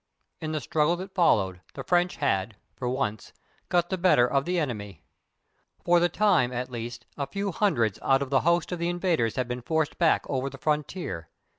In the struggle that followed, the French had (for once) got the better of the enemy. For the time, at least, a few hundreds out of the host of the invaders had been forced back over the frontier.